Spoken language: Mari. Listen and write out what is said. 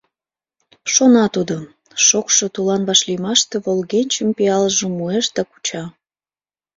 Шона тудо: шокшо, тулан вашлиймаште Волгенчым-пиалжым муэш да куча.